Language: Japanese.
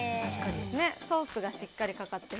ソースがしっかりかかってて。